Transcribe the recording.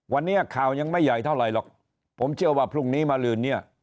วันนี้ข่าวยังไม่ใหญ่เท่าไหร่หรอกผมเชื่อว่าพรุ่งนี้มาลืนเนี่ย